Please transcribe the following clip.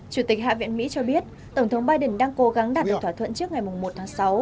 chủ tịch hạ viện mỹ cho biết tổng thống biden đang cố gắng đạt được thỏa thuận trước ngày một tháng sáu